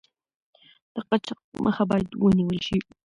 د قاچاق مخه باید ونیول شي.